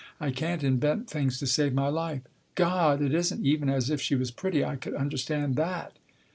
I can't invent things to save my life. " God ! It isn't even as if she was pretty. I could understand that.''